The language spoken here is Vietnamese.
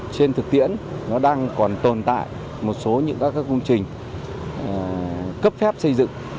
trên thực tiễn nó đang còn tồn tại một số những các công trình cấp phép xây dựng